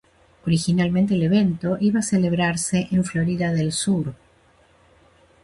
Originalmente el evento iba a celebrarse en Florida del Sur.